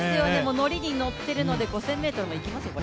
乗りに乗っているので、５０００ｍもいきますよ、これ。